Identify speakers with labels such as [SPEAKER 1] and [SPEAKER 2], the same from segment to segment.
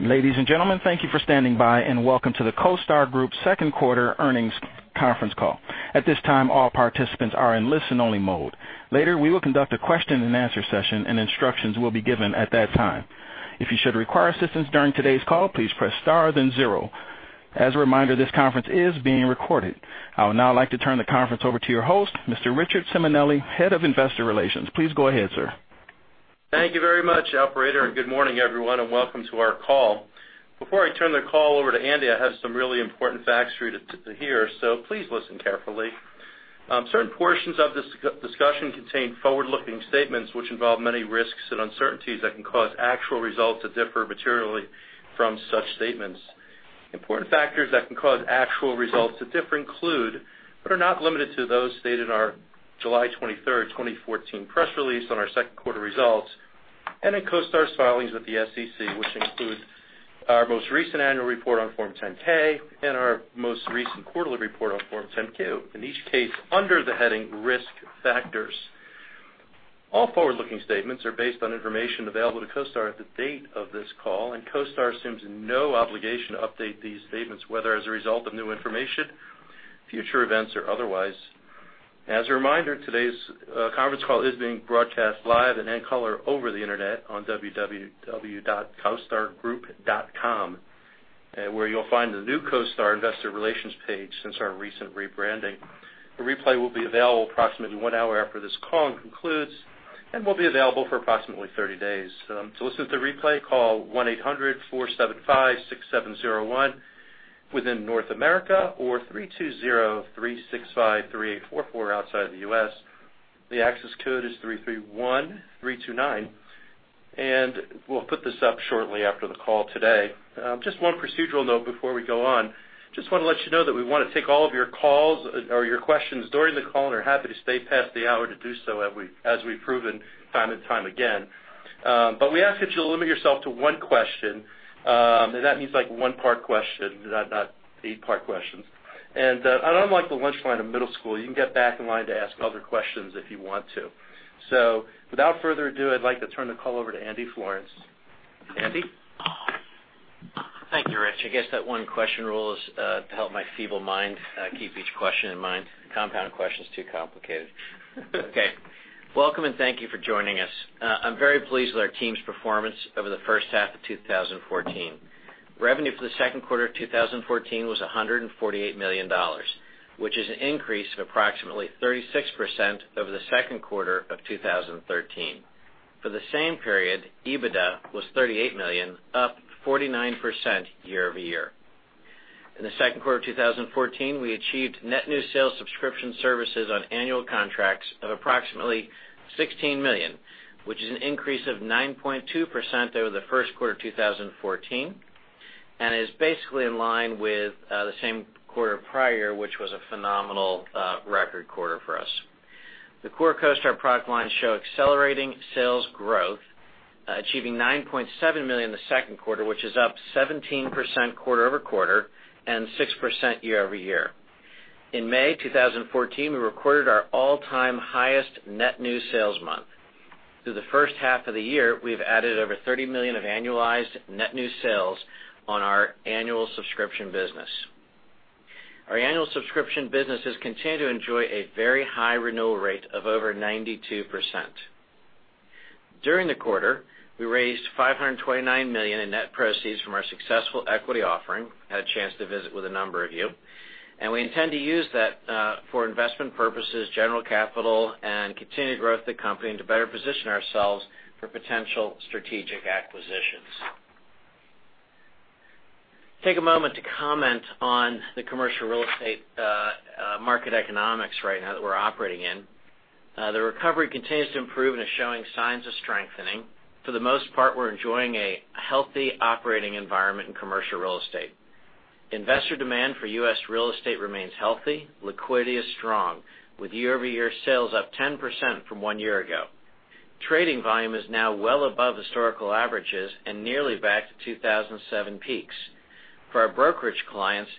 [SPEAKER 1] Ladies and gentlemen, thank you for standing by, and welcome to the CoStar Group second quarter earnings conference call. At this time, all participants are in listen-only mode. Later, we will conduct a question and answer session, and instructions will be given at that time. If you should require assistance during today's call, please press star, then zero. As a reminder, this conference is being recorded. I would now like to turn the conference over to your host, Mr. Rich Simonelli, head of investor relations. Please go ahead, sir.
[SPEAKER 2] Thank you very much, operator, good morning, everyone, welcome to our call. Before I turn the call over to Andy, I have some really important facts for you to hear, please listen carefully. Certain portions of this discussion contain forward-looking statements which involve many risks and uncertainties that can cause actual results to differ materially from such statements. Important factors that can cause actual results to differ include, but are not limited to, those stated in our July 23rd, 2014 press release on our second quarter results, in CoStar's filings with the SEC, which include our most recent annual report on Form 10-K and our most recent quarterly report on Form 10-Q. In each case, under the heading Risk Factors. All forward-looking statements are based on information available to CoStar at the date of this call, CoStar assumes no obligation to update these statements, whether as a result of new information, future events, or otherwise. As a reminder, today's conference call is being broadcast live in in-color over the internet on www.costargroup.com, where you'll find the new CoStar investor relations page since our recent rebranding. The replay will be available approximately one hour after this call concludes and will be available for approximately 30 days. To listen to the replay, call 1-800-475-6701 within North America, or 320-365-3844 outside of the U.S. The access code is 331329. We'll put this up shortly after the call today. Just one procedural note before we go on. Just want to let you know that we want to take all of your calls or your questions during the call, are happy to stay past the hour to do so as we've proven time and time again. We ask that you limit yourself to one question, that means one-part question, not eight-part questions. Unlike the lunch line in middle school, you can get back in line to ask other questions if you want to. Without further ado, I'd like to turn the call over to Andy Florance. Andy?
[SPEAKER 3] Thank you, Rich. I guess that one-question rule is to help my feeble mind keep each question in mind. Compound question's too complicated. Okay. Welcome, and thank you for joining us. I'm very pleased with our team's performance over the first half of 2014. Revenue for the second quarter of 2014 was $148 million, which is an increase of approximately 36% over the second quarter of 2013. For the same period, EBITDA was $38 million, up 49% year-over-year. In the second quarter of 2014, we achieved net new sales subscription services on annual contracts of approximately $16 million, which is an increase of 9.2% over the first quarter of 2014, and is basically in line with the same quarter prior, which was a phenomenal record quarter for us. The core CoStar product lines show accelerating sales growth, achieving $9.7 million in the second quarter, which is up 17% quarter-over-quarter and 6% year-over-year. In May 2014, we recorded our all-time highest net new sales month. Through the first half of the year, we've added over $30 million of annualized net new sales on our annual subscription business. Our annual subscription business has continued to enjoy a very high renewal rate of over 92%. During the quarter, we raised $529 million in net proceeds from our successful equity offering. Had a chance to visit with a number of you. We intend to use that for investment purposes, general capital, and continued growth of the company, to better position ourselves for potential strategic acquisitions. Take a moment to comment on the commercial real estate market economics right now that we're operating in. The recovery continues to improve and is showing signs of strengthening. For the most part, we're enjoying a healthy operating environment in commercial real estate. Investor demand for U.S. real estate remains healthy. Liquidity is strong, with year-over-year sales up 10% from one year ago. Trading volume is now well above historical averages and nearly back to 2007 peaks. For our brokerage clients,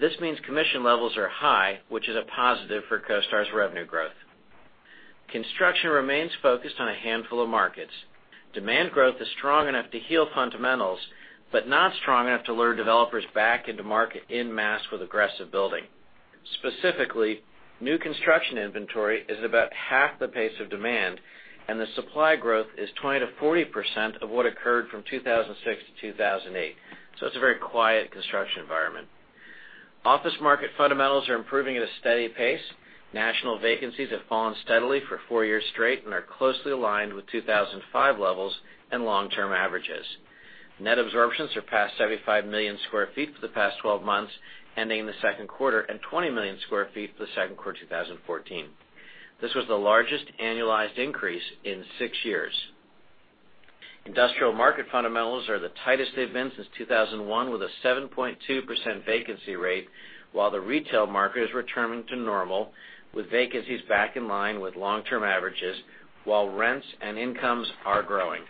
[SPEAKER 3] this means commission levels are high, which is a positive for CoStar's revenue growth. Construction remains focused on a handful of markets. Demand growth is strong enough to heal fundamentals, but not strong enough to lure developers back into market en masse with aggressive building. Specifically, new construction inventory is about half the pace of demand, and the supply growth is 20%-40% of what occurred from 2006 to 2008. It's a very quiet construction environment. Office market fundamentals are improving at a steady pace. National vacancies have fallen steadily for four years straight and are closely aligned with 2005 levels and long-term averages. Net absorptions surpassed 75 million sq ft for the past 12 months, ending in the second quarter, and 20 million sq ft for the second quarter 2014. This was the largest annualized increase in six years. Industrial market fundamentals are the tightest they've been since 2001, with a 7.2% vacancy rate, while the retail market is returning to normal, with vacancies back in line with long-term averages, while rents and incomes are growing.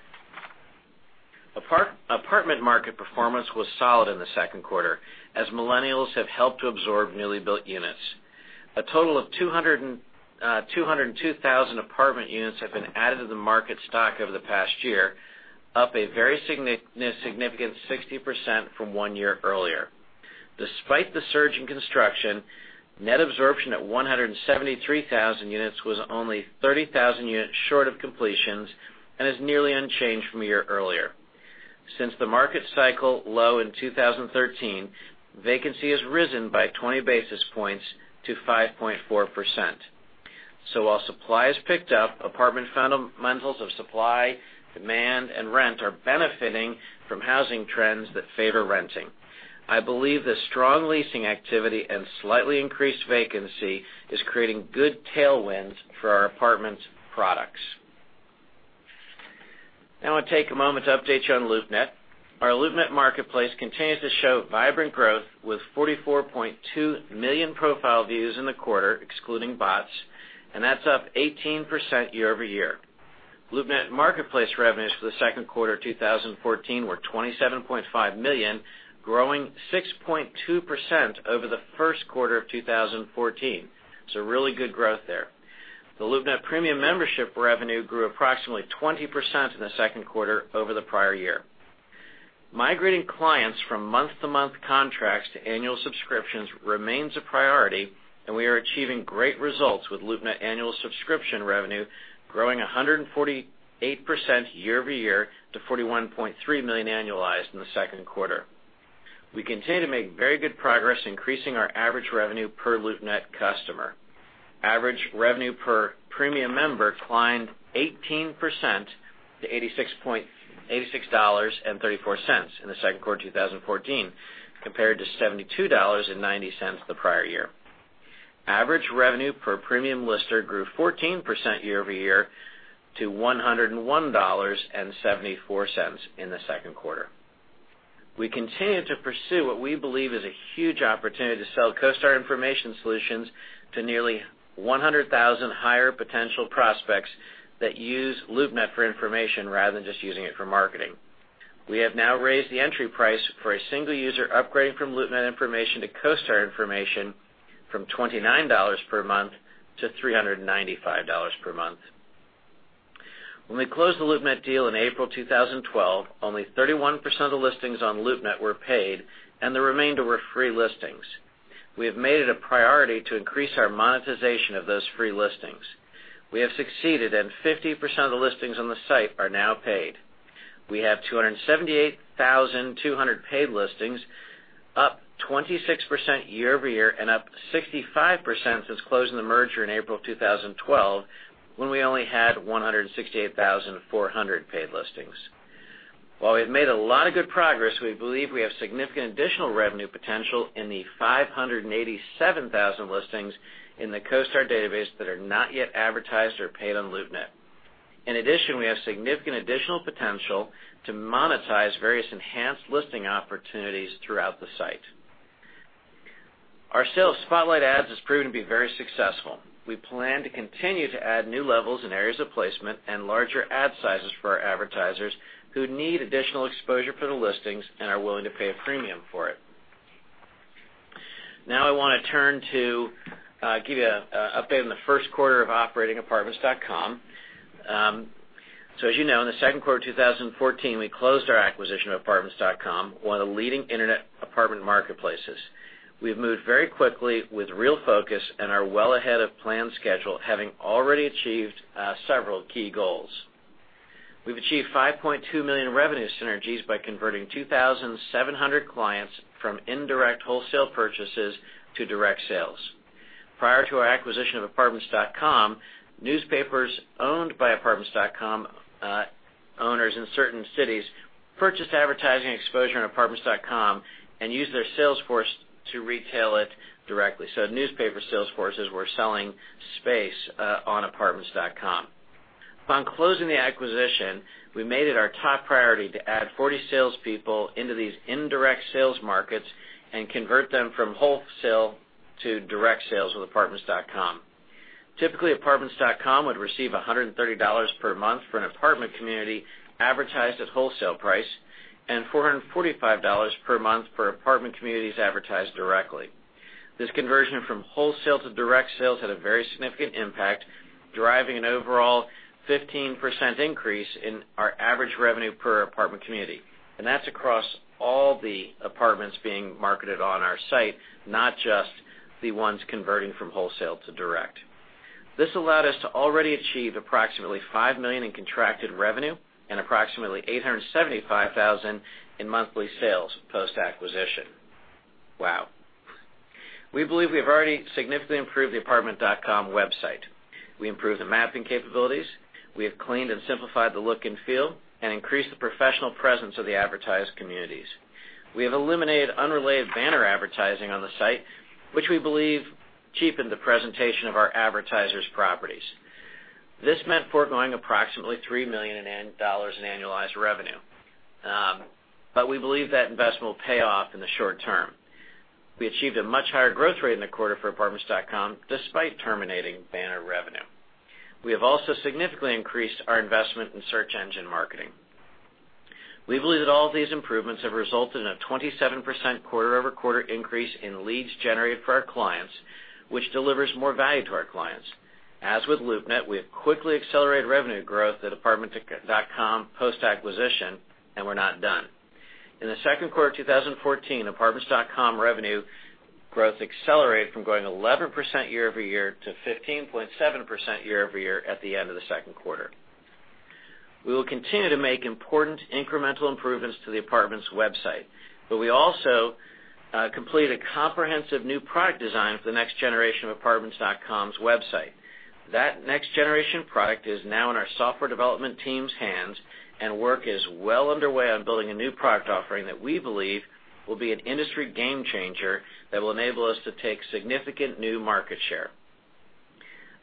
[SPEAKER 3] Apartment market performance was solid in the second quarter, as millennials have helped to absorb newly built units. A total of 202,000 apartment units have been added to the market stock over the past year, up a very significant 60% from one year earlier. Despite the surge in construction, net absorption at 173,000 units was only 30,000 units short of completions and is nearly unchanged from a year earlier. Since the market cycle low in 2013, vacancy has risen by 20 basis points to 5.4%. While supply has picked up, apartment fundamentals of supply, demand, and rent are benefiting from housing trends that favor renting. I believe the strong leasing activity and slightly increased vacancy is creating good tailwinds for our apartments products. I want to take a moment to update you on LoopNet. Our LoopNet marketplace continues to show vibrant growth, with 44.2 million profile views in the quarter, excluding bots, and that's up 18% year-over-year. LoopNet marketplace revenues for the second quarter of 2014 were $27.5 million, growing 6.2% over the first quarter of 2014. Really good growth there. The LoopNet premium membership revenue grew approximately 20% in the second quarter over the prior year. Migrating clients from month-to-month contracts to annual subscriptions remains a priority, and we are achieving great results, with LoopNet annual subscription revenue growing 148% year-over-year to $41.3 million annualized in the second quarter. We continue to make very good progress increasing our average revenue per LoopNet customer. Average revenue per premium member climbed 18% to $86.34 in the second quarter of 2014, compared to $72.90 the prior year. Average revenue per premium lister grew 14% year-over-year to $101.74 in the second quarter. We continue to pursue what we believe is a huge opportunity to sell CoStar information solutions to nearly 100,000 higher potential prospects that use LoopNet for information rather than just using it for marketing. We have now raised the entry price for a single user upgrading from LoopNet information to CoStar information from $29 per month to $395 per month. When we closed the LoopNet deal in April 2012, only 31% of the listings on LoopNet were paid, and the remainder were free listings. We have made it a priority to increase our monetization of those free listings. We have succeeded, and 50% of the listings on the site are now paid. We have 278,200 paid listings, up 26% year-over-year and up 65% since closing the merger in April 2012, when we only had 168,400 paid listings. While we've made a lot of good progress, we believe we have significant additional revenue potential in the 587,000 listings in the CoStar database that are not yet advertised or paid on LoopNet. In addition, we have significant additional potential to monetize various enhanced listing opportunities throughout the site. Our sales spotlight ads has proven to be very successful. We plan to continue to add new levels and areas of placement and larger ad sizes for our advertisers who need additional exposure for the listings and are willing to pay a premium for it. I want to give you an update on the first quarter of operating Apartments.com. As you know, in the second quarter of 2014, we closed our acquisition of Apartments.com, one of the leading internet apartment marketplaces. We've moved very quickly with real focus and are well ahead of planned schedule, having already achieved several key goals. We've achieved $5.2 million in revenue synergies by converting 2,700 clients from indirect wholesale purchases to direct sales. Prior to our acquisition of Apartments.com, newspapers owned by Apartments.com owners in certain cities purchased advertising exposure on Apartments.com and used their sales force to retail it directly. Newspaper sales forces were selling space on Apartments.com. Upon closing the acquisition, we made it our top priority to add 40 salespeople into these indirect sales markets and convert them from wholesale to direct sales with Apartments.com. Typically, Apartments.com would receive $130 per month for an apartment community advertised at wholesale price and $445 per month per apartment communities advertised directly. This conversion from wholesale to direct sales had a very significant impact, driving an overall 15% increase in our average revenue per apartment community. That's across all the apartments being marketed on our site, not just the ones converting from wholesale to direct. This allowed us to already achieve approximately $5 million in contracted revenue and approximately $875,000 in monthly sales post-acquisition. Wow. We believe we have already significantly improved the Apartments.com website. We improved the mapping capabilities, we have cleaned and simplified the look and feel, and increased the professional presence of the advertised communities. We have eliminated unrelated banner advertising on the site, which we believe cheapened the presentation of our advertisers' properties. This meant foregoing approximately $3 million in annualized revenue. We believe that investment will pay off in the short term. We achieved a much higher growth rate in the quarter for Apartments.com, despite terminating banner revenue. We have also significantly increased our investment in search engine marketing. We believe that all of these improvements have resulted in a 27% quarter-over-quarter increase in leads generated for our clients, which delivers more value to our clients. As with LoopNet, we have quickly accelerated revenue growth at Apartments.com post-acquisition. We're not done. In the second quarter of 2014, Apartments.com revenue growth accelerated from going 11% year-over-year to 15.7% year-over-year at the end of the second quarter. We will continue to make important incremental improvements to the Apartments website. We also completed a comprehensive new product design for the next generation of Apartments.com's website. That next-generation product is now in our software development team's hands, and work is well underway on building a new product offering that we believe will be an industry game-changer that will enable us to take significant new market share.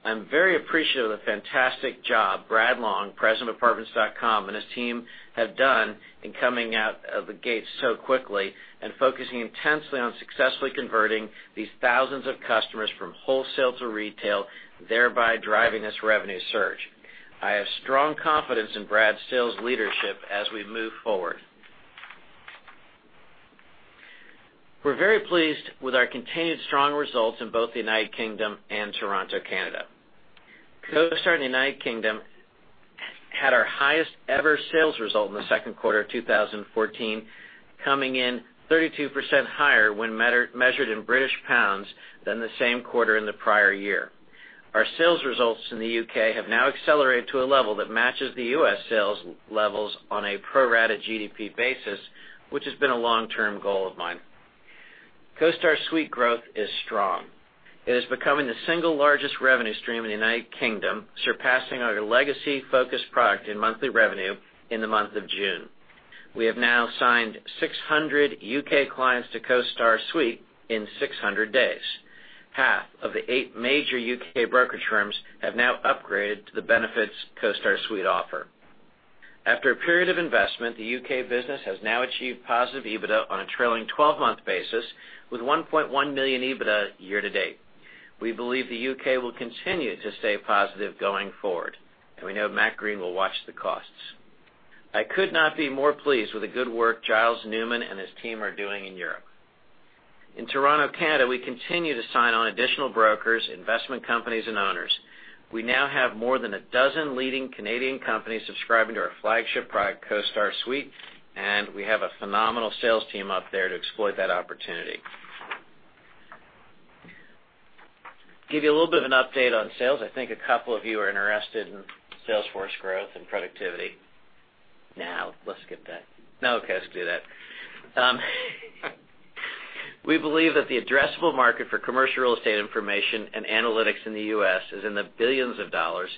[SPEAKER 3] I'm very appreciative of the fantastic job Brad Long, President of Apartments.com, and his team have done in coming out of the gate so quickly and focusing intensely on successfully converting these thousands of customers from wholesale to retail, thereby driving this revenue surge. I have strong confidence in Brad's sales leadership as we move forward. We're very pleased with our continued strong results in both the U.K. and Toronto, Canada. CoStar in the U.K. had our highest ever sales result in the second quarter of 2014, coming in 32% higher when measured in GBP than the same quarter in the prior year. Our sales results in the U.K. have now accelerated to a level that matches the U.S. sales levels on a pro rata GDP basis, which has been a long-term goal of mine. CoStar Suite growth is strong. It is becoming the single largest revenue stream in the U.K., surpassing our legacy focused product in monthly revenue in the month of June. We have now signed 600 U.K. clients to CoStar Suite in 600 days. Half of the eight major U.K. brokerage firms have now upgraded to the benefits CoStar Suite offer. After a period of investment, the U.K. business has now achieved positive EBITDA on a trailing 12-month basis, with $1.1 million EBITDA year-to-date. We believe the U.K. will continue to stay positive going forward. We know Matt Green will watch the costs. I could not be more pleased with the good work Giles Newman and his team are doing in Europe. In Toronto, Canada, we continue to sign on additional brokers, investment companies, and owners. We now have more than a dozen leading Canadian companies subscribing to our flagship product, CoStar Suite. We have a phenomenal sales team up there to exploit that opportunity. Give you a little bit of an update on sales. I think a couple of you are interested in sales force growth and productivity. Let's skip that. Let's do that. We believe that the addressable market for commercial real estate information and analytics in the U.S. is in the billions of dollars,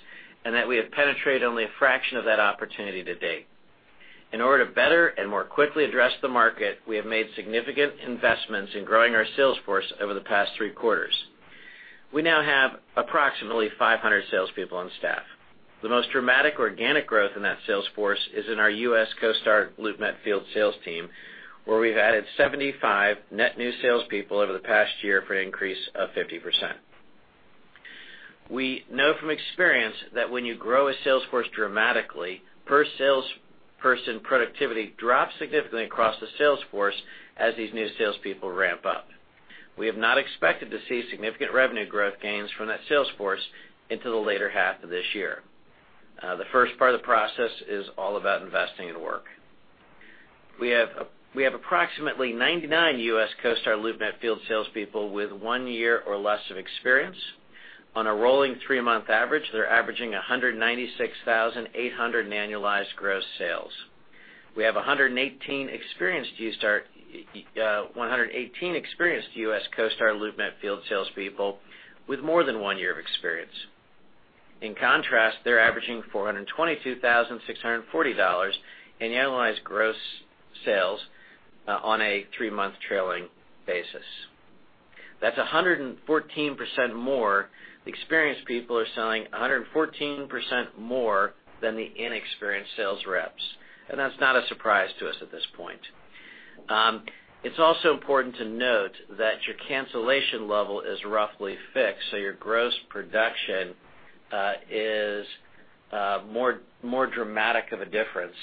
[SPEAKER 3] and that we have penetrated only a fraction of that opportunity to date. In order to better and more quickly address the market, we have made significant investments in growing our sales force over the past three quarters. We now have approximately 500 salespeople on staff. The most dramatic organic growth in that sales force is in our U.S. CoStar LoopNet field sales team, where we've added 75 net new salespeople over the past year for an increase of 50%. We know from experience that when you grow a sales force dramatically, per-sales-person productivity drops significantly across the sales force as these new salespeople ramp up. We have not expected to see significant revenue growth gains from that sales force until the later half of this year. The first part of the process is all about investing in work. We have approximately 99 U.S. CoStar LoopNet field salespeople with one year or less of experience. On a rolling three-month average, they're averaging $196,800 in annualized gross sales. We have 118 experienced U.S. CoStar LoopNet field salespeople with more than one year of experience. In contrast, they're averaging $422,640 in annualized gross sales on a three-month trailing basis. That's 114% more. The experienced people are selling 114% more than the inexperienced sales reps, and that's not a surprise to us at this point. It's also important to note that your cancellation level is roughly fixed, so your gross production is more dramatic of a difference.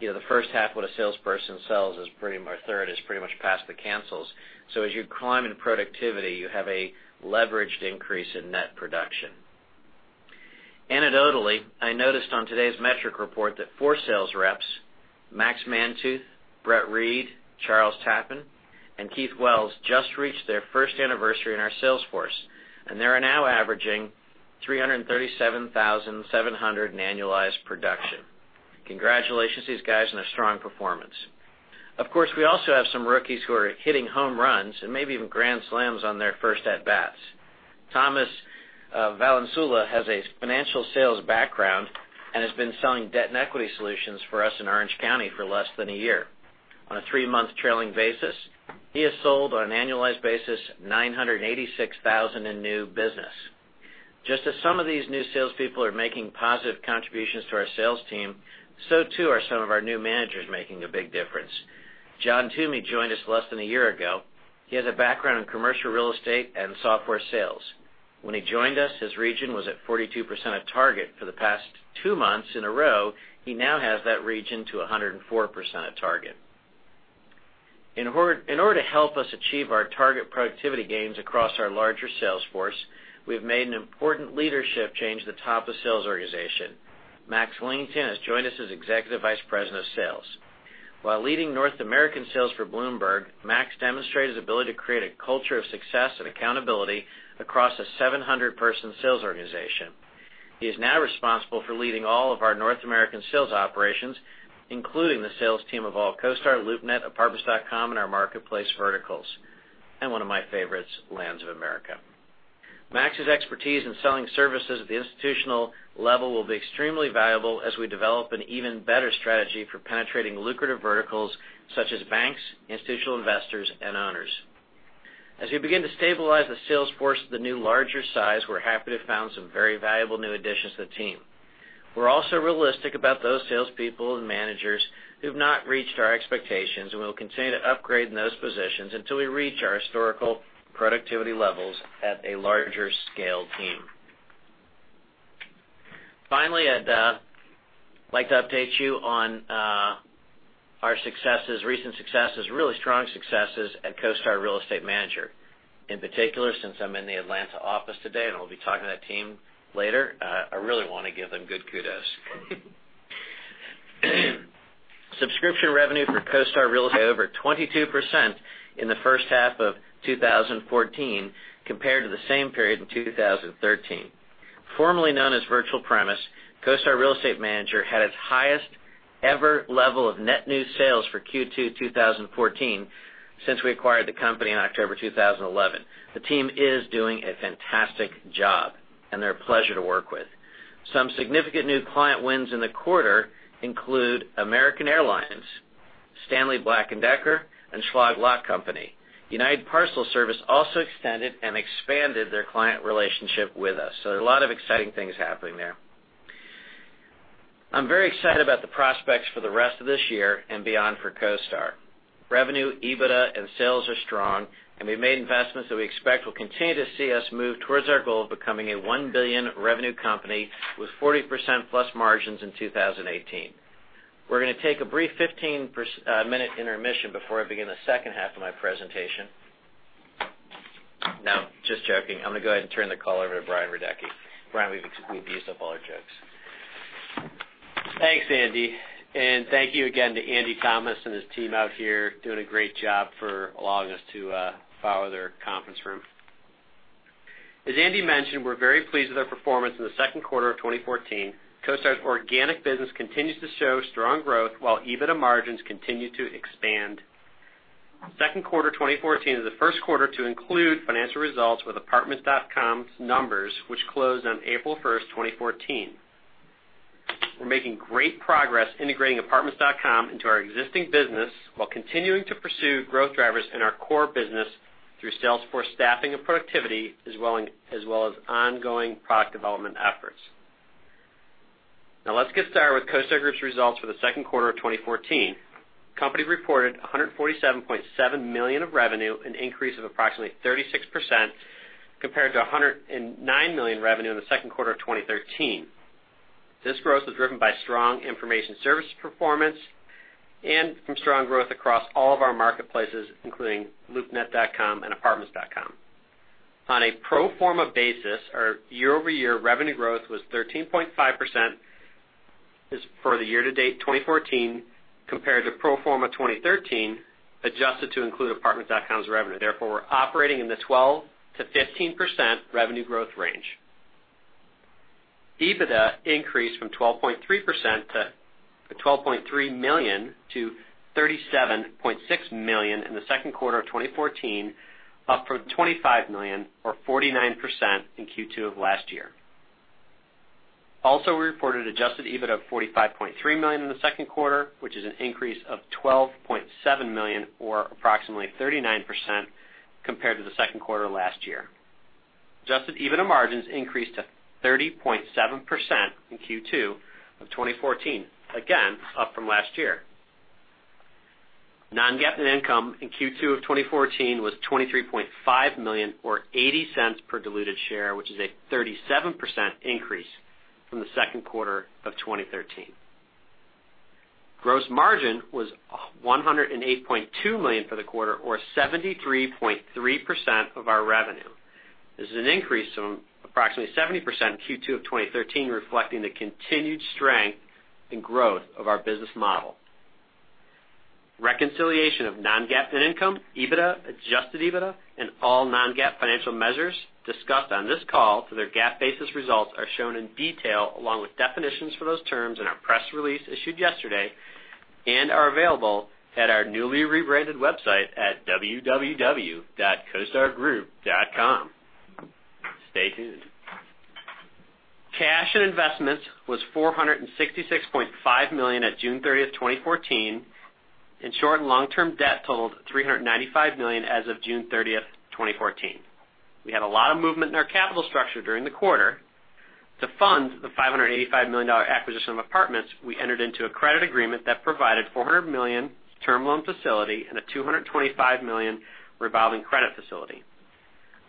[SPEAKER 3] The first half of what a salesperson sells is pretty much past the cancels. As you climb in productivity, you have a leveraged increase in net production. Anecdotally, I noticed on today's metric report that four sales reps, Max Mantooth, Brett Reed, Charles Tappan, and Keith Wells, just reached their first anniversary in our sales force, and they are now averaging $337,700 in annualized production. Congratulations to these guys on a strong performance. Of course, we also have some rookies who are hitting home runs and maybe even grand slams on their first at-bats. Thomas Valenzuela has a financial sales background and has been selling debt and equity solutions for us in Orange County for less than a year. On a three-month trailing basis, he has sold on an annualized basis, $986,000 in new business. Just as some of these new salespeople are making positive contributions to our sales team, so too are some of our new managers making a big difference. John Toomey joined us less than a year ago. He has a background in commercial real estate and software sales. When he joined us, his region was at 42% of target. For the past two months in a row, he now has that region to 104% of target. In order to help us achieve our target productivity gains across our larger sales force, we've made an important leadership change at the top of sales organization. Max Linnington has joined us as Executive Vice President of Sales. While leading North American sales for Bloomberg, Max demonstrated his ability to create a culture of success and accountability across a 700-person sales organization. He is now responsible for leading all of our North American sales operations, including the sales team of all CoStar, LoopNet, Apartments.com, and our marketplace verticals, and one of my favorites, Lands of America. Max's expertise in selling services at the institutional level will be extremely valuable as we develop an even better strategy for penetrating lucrative verticals such as banks, institutional investors, and owners. As we begin to stabilize the sales force to the new larger size, we're happy to have found some very valuable new additions to the team. We're also realistic about those salespeople and managers who've not reached our expectations, and we will continue to upgrade in those positions until we reach our historical productivity levels at a larger scale team. Finally, I'd like to update you on our recent successes, really strong successes, at CoStar Real Estate Manager. In particular, since I'm in the Atlanta office today, and I'll be talking to that team later, I really want to give them good kudos. Subscription revenue for CoStar Real Estate Manager over 22% in the first half of 2014 compared to the same period in 2013. Formerly known as Virtual Premise, CoStar Real Estate Manager had its highest ever level of net new sales for Q2 2014 since we acquired the company in October 2011. The team is doing a fantastic job, and they're a pleasure to work with. Some significant new client wins in the quarter include American Airlines, Stanley Black & Decker, and Schlage Lock Company. United Parcel Service also extended and expanded their client relationship with us. A lot of exciting things happening there. I'm very excited about the prospects for the rest of this year and beyond for CoStar. Revenue, EBITDA, and sales are strong, and we've made investments that we expect will continue to see us move towards our goal of becoming a $1 billion revenue company with 40% plus margins in 2018. We're going to take a brief 15-minute intermission before I begin the second half of my presentation. No, just joking. I'm going to go ahead and turn the call over to Brian Radecki. Brian, we've used up all our jokes.
[SPEAKER 4] Thanks, Andy, and thank you again to Andy Thomas and his team out here, doing a great job for allowing us to borrow their conference room. As Andy mentioned, we're very pleased with our performance in the second quarter of 2014. CoStar's organic business continues to show strong growth while EBITDA margins continue to expand. Second quarter 2014 is the first quarter to include financial results with Apartments.com's numbers, which closed on April 1st, 2014. We're making great progress integrating Apartments.com into our existing business while continuing to pursue growth drivers in our core business through sales force staffing and productivity, as well as ongoing product development efforts. Let's get started with CoStar Group's results for the second quarter of 2014. Company reported $147.7 million of revenue, an increase of approximately 36% compared to $109 million revenue in the second quarter of 2013. This growth was driven by strong information service performance and from strong growth across all of our marketplaces, including LoopNet.com and Apartments.com. On a pro forma basis, our year-over-year revenue growth was 13.5% is for the year-to-date 2014 compared to pro forma 2013, adjusted to include Apartments.com's revenue. We're operating in the 12%-15% revenue growth range. EBITDA increased from 12.3% to $12.3 million to $37.6 million in the second quarter of 2014, up from $25 million or 49% in Q2 of last year. We reported adjusted EBITDA of $45.3 million in the second quarter, which is an increase of $12.7 million or approximately 39% compared to the second quarter of last year. Adjusted EBITDA margins increased to 30.7% in Q2 of 2014, again, up from last year. Non-GAAP net income in Q2 of 2014 was $23.5 million or $0.80 per diluted share, which is a 37% increase from the second quarter of 2013. Gross margin was $108.2 million for the quarter or 73.3% of our revenue. This is an increase from approximately 70% in Q2 of 2013, reflecting the continued strength and growth of our business model. Reconciliation of non-GAAP net income, EBITDA, adjusted EBITDA, and all non-GAAP financial measures discussed on this call to their GAAP-basis results are shown in detail along with definitions for those terms in our press release issued yesterday and are available at our newly rebranded website at www.costargroup.com. Stay tuned. Cash and investments was $466.5 million at June 30th, 2014, and short and long-term debt totaled $395 million as of June 30th, 2014. We had a lot of movement in our capital structure during the quarter. To fund the $585 million acquisition of Apartments.com, we entered into a credit agreement that provided a $400 million term loan facility and a $225 million revolving credit facility.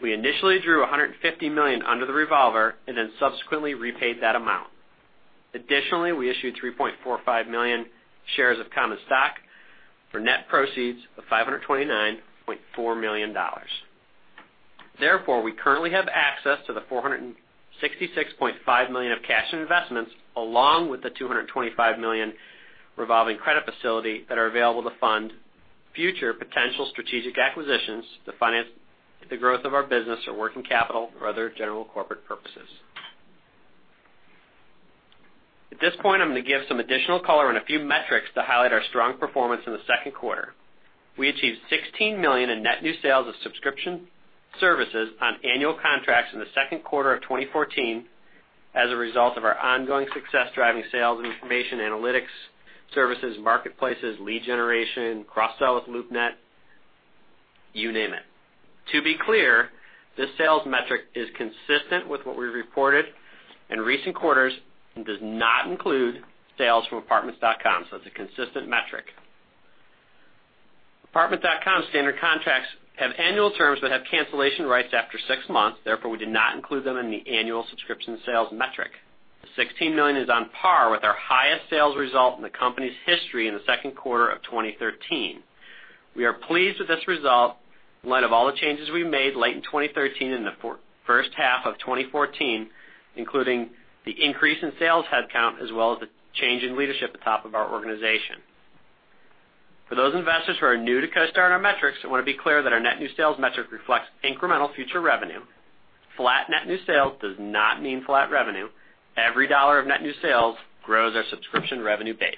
[SPEAKER 4] We initially drew $150 million under the revolver and subsequently repaid that amount. Additionally, we issued 3.45 million shares of common stock for net proceeds of $529.4 million. We currently have access to the $466.5 million of cash and investments, along with the $225 million revolving credit facility that are available to fund future potential strategic acquisitions to finance the growth of our business or working capital or other general corporate purposes. I'm going to give some additional color on a few metrics to highlight our strong performance in the second quarter. We achieved $16 million in net new sales of subscription services on annual contracts in the second quarter of 2014 as a result of our ongoing success driving sales information, analytics, services, marketplaces, lead generation, cross-sell with LoopNet, you name it. To be clear, this sales metric is consistent with what we reported in recent quarters and does not include sales from Apartments.com. It's a consistent metric. Apartments.com standard contracts have annual terms but have cancellation rights after six months. We did not include them in the annual subscription sales metric. The $16 million is on par with our highest sales result in the company's history in the second quarter of 2013. We are pleased with this result in light of all the changes we made late in 2013 and the first half of 2014, including the increase in sales headcount as well as the change in leadership at the top of our organization. For those investors who are new to CoStar and our metrics, I want to be clear that our net new sales metric reflects incremental future revenue. Flat net new sales does not mean flat revenue. Every dollar of net new sales grows our subscription revenue base.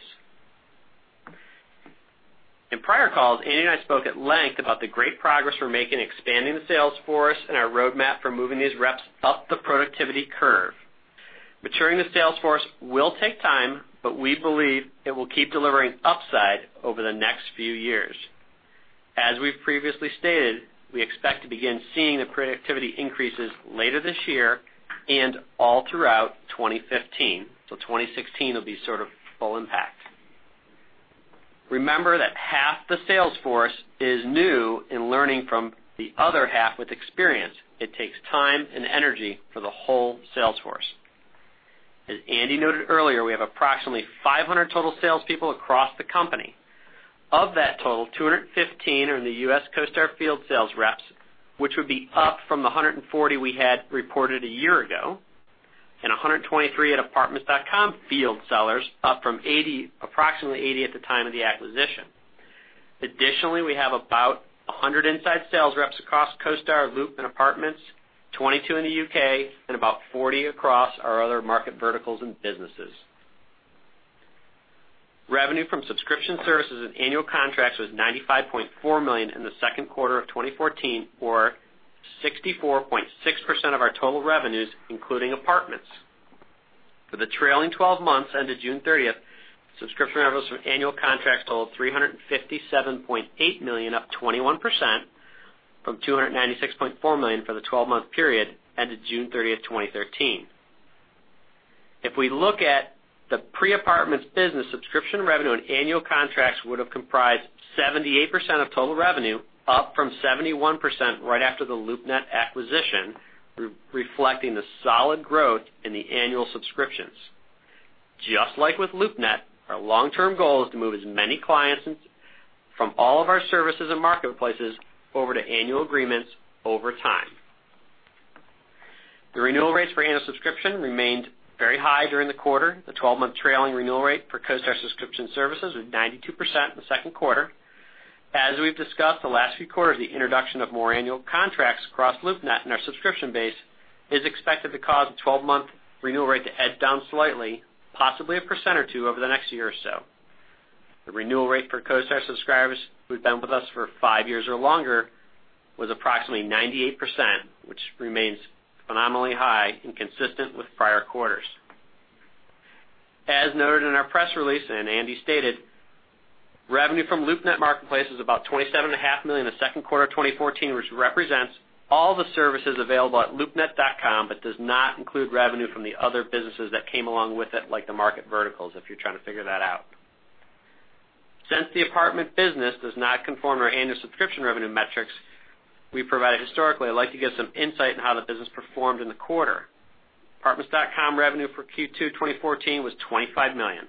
[SPEAKER 4] In prior calls, Andy and I spoke at length about the great progress we're making expanding the sales force and our roadmap for moving these reps up the productivity curve. Maturing the sales force will take time, but we believe it will keep delivering upside over the next few years. As we've previously stated, we expect to begin seeing the productivity increases later this year and all throughout 2015. 2016 will be sort of full impact. Remember that half the sales force is new and learning from the other half with experience. It takes time and energy for the whole sales force. As Andy noted earlier, we have approximately 500 total salespeople across the company. Of that total, 215 are in the U.S. CoStar field sales reps, which would be up from the 140 we had reported a year ago, and 123 at Apartments.com field sellers, up from approximately 80 at the time of the acquisition. Additionally, we have about 100 inside sales reps across CoStar, LoopNet, and Apartments.com, 22 in the U.K., and about 40 across our other market verticals and businesses. Revenue from subscription services and annual contracts was $95.4 million in the second quarter of 2014, or 64.6% of our total revenues, including Apartments. For the trailing 12 months ended June 30th, subscription revenues from annual contracts totaled $357.8 million, up 21% from $296.4 million for the 12-month period ended June 30th, 2013. If we look at the pre-Apartments business, subscription revenue and annual contracts would have comprised 78% of total revenue, up from 71% right after the LoopNet acquisition, reflecting the solid growth in the annual subscriptions. Just like with LoopNet, our long-term goal is to move as many clients from all of our services and marketplaces over to annual agreements over time. The renewal rates for annual subscription remained very high during the quarter. The 12-month trailing renewal rate for CoStar subscription services was 92% in the second quarter. As we've discussed the last few quarters, the introduction of more annual contracts across LoopNet and our subscription base is expected to cause a 12-month renewal rate to edge down slightly, possibly a percent or 2 over the next year or so. The renewal rate for CoStar subscribers who've been with us for 5 years or longer was approximately 98%, which remains phenomenally high and consistent with prior quarters. As noted in our press release and Andy stated, revenue from LoopNet Marketplace was about $27.5 million in the second quarter of 2014, which represents all the services available at loopnet.com, but does not include revenue from the other businesses that came along with it, like the market verticals, if you're trying to figure that out. Since the Apartments business does not conform to our annual subscription revenue metrics we provide historically, I'd like to give some insight on how the business performed in the quarter. Apartments.com revenue for Q2 2014 was $25 million.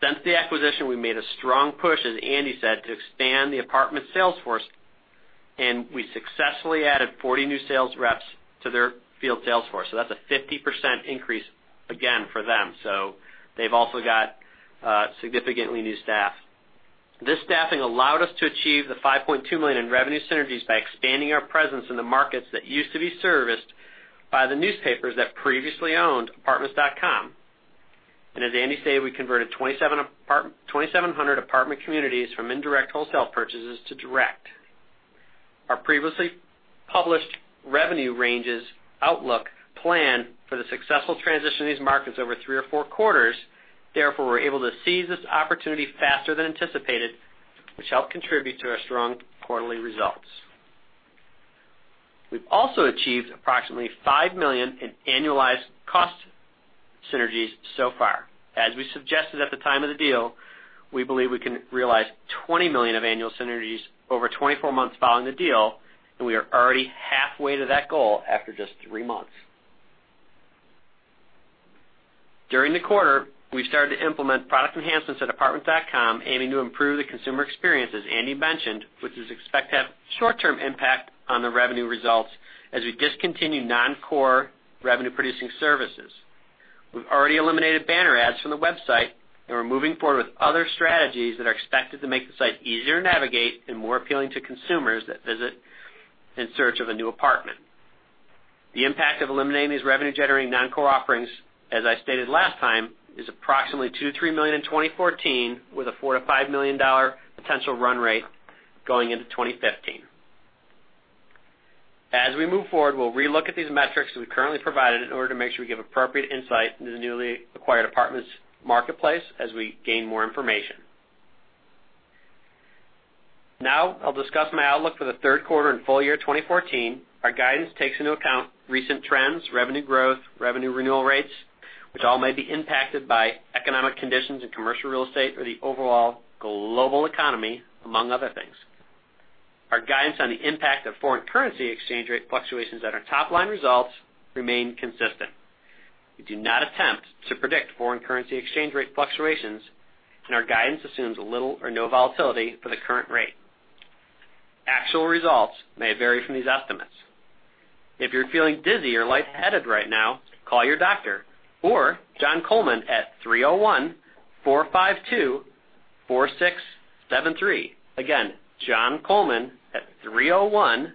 [SPEAKER 4] Since the acquisition, we made a strong push, as Andy said, to expand the Apartments sales force, and we successfully added 40 new sales reps to their field sales force. That's a 50% increase again for them. They've also got significantly new staff. This staffing allowed us to achieve the $5.2 million in revenue synergies by expanding our presence in the markets that used to be serviced by the newspapers that previously owned Apartments.com. As Andy stated, we converted 2,700 apartment communities from indirect wholesale purchases to direct. Our previously published revenue ranges outlook plan for the successful transition of these markets over 3 or 4 quarters. Therefore, we're able to seize this opportunity faster than anticipated, which helped contribute to our strong quarterly results. We've also achieved approximately $5 million in annualized cost synergies so far. As we suggested at the time of the deal, we believe we can realize $20 million of annual synergies over 24 months following the deal, and we are already halfway to that goal after just 3 months. During the quarter, we started to implement product enhancements at Apartments.com, aiming to improve the consumer experience, as Andy mentioned, which is expected to have short-term impact on the revenue results as we discontinue non-core revenue-producing services. We've already eliminated banner ads from the website, and we're moving forward with other strategies that are expected to make the site easier to navigate and more appealing to consumers that visit in search of a new apartment. The impact of eliminating these revenue-generating non-core offerings, as I stated last time, is approximately $2 million-$3 million in 2014, with a $4 million-$5 million potential run rate going into 2015. As we move forward, we'll relook at these metrics that we currently provided in order to make sure we give appropriate insight into the newly acquired Apartments marketplace as we gain more information. Now, I'll discuss my outlook for the third quarter and full year 2014. Our guidance takes into account recent trends, revenue growth, revenue renewal rates, which all may be impacted by economic conditions in commercial real estate or the overall global economy, among other things. Our guidance on the impact of foreign currency exchange rate fluctuations on our top-line results remain consistent. We do not attempt to predict foreign currency exchange rate fluctuations, and our guidance assumes little or no volatility for the current rate. Actual results may vary from these estimates. If you're feeling dizzy or lightheaded right now, call your doctor or Jon Coleman at 301-452-4673. Again, Jon Coleman at 301-452-4673.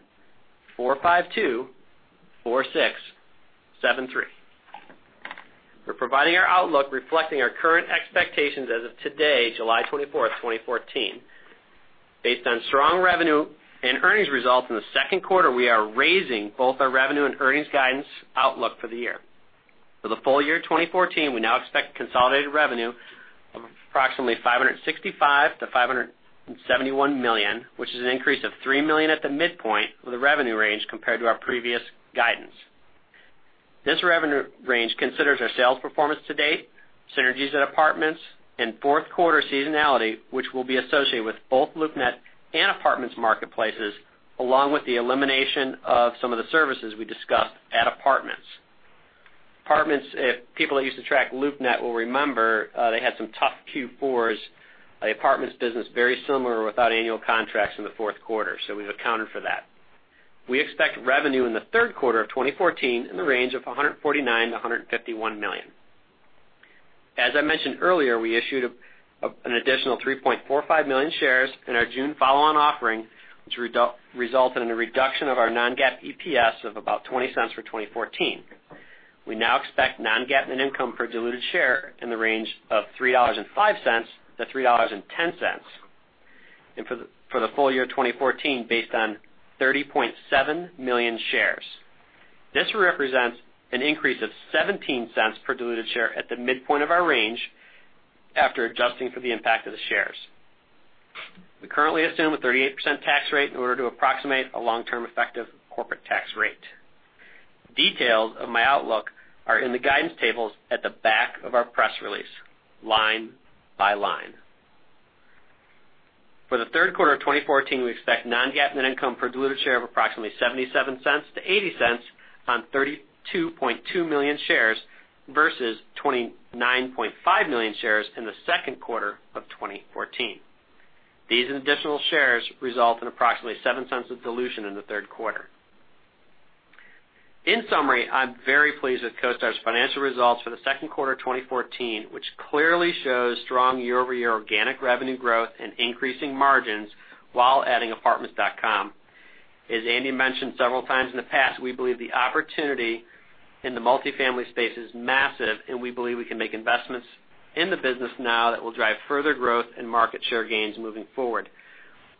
[SPEAKER 4] We're providing our outlook reflecting our current expectations as of today, July 24th, 2014. Based on strong revenue and earnings results in the second quarter, we are raising both our revenue and earnings guidance outlook for the year. For the full year 2014, we now expect consolidated revenue of approximately $565 million-$571 million, which is an increase of $3 million at the midpoint of the revenue range compared to our previous guidance. This revenue range considers our sales performance to date, synergies at Apartments, and fourth quarter seasonality, which will be associated with both LoopNet and Apartments marketplaces, along with the elimination of some of the services we discussed at Apartments. People that used to track LoopNet will remember they had some tough Q4s. The Apartments business very similar without annual contracts in the fourth quarter, so we've accounted for that. We expect revenue in the third quarter of 2014 in the range of $149 million-$151 million. As I mentioned earlier, we issued an additional 3.45 million shares in our June follow-on offering, which resulted in a reduction of our non-GAAP EPS of about $0.20 for 2014. We now expect non-GAAP net income per diluted share in the range of $3.05-$3.10 for the full year 2014, based on 30.7 million shares. This represents an increase of $0.17 per diluted share at the midpoint of our range after adjusting for the impact of the shares. We currently assume a 38% tax rate in order to approximate a long-term effective corporate tax rate. Details of my outlook are in the guidance tables at the back of our press release, line by line. For the third quarter of 2014, we expect non-GAAP net income per diluted share of approximately $0.77-$0.80 on 32.2 million shares versus 29.5 million shares in the second quarter of 2014. These additional shares result in approximately $0.07 of dilution in the third quarter. In summary, I'm very pleased with CoStar's financial results for the second quarter 2014, which clearly shows strong year-over-year organic revenue growth and increasing margins while adding Apartments.com. As Andy mentioned several times in the past, we believe the opportunity in the multifamily space is massive. We believe we can make investments in the business now that will drive further growth and market share gains moving forward.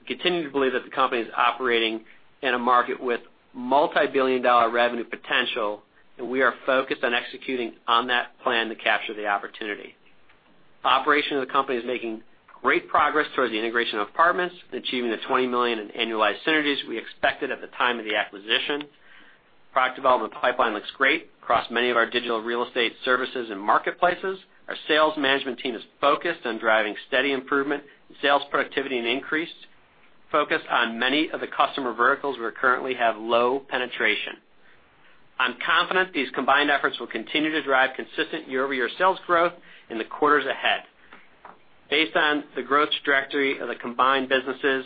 [SPEAKER 4] We continue to believe that the company is operating in a market with multibillion-dollar revenue potential, and we are focused on executing on that plan to capture the opportunity. Operation of the company is making great progress towards the integration of Apartments and achieving the $20 million in annualized synergies we expected at the time of the acquisition. Product development pipeline looks great across many of our digital real estate services and marketplaces. Our sales management team is focused on driving steady improvement. Sales productivity and increase focus on many of the customer verticals we currently have low penetration. I'm confident these combined efforts will continue to drive consistent year-over-year sales growth in the quarters ahead. Based on the growth trajectory of the combined businesses